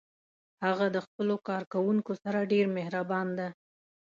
هغه د خپلو کارکوونکو سره ډیر مهربان ده